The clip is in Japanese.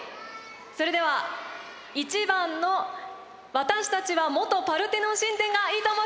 それでは１番の「私たちは元パルテノン神殿」がいいと思う人！